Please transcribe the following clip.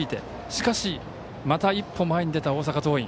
しかしまた一歩前に出た大阪桐蔭。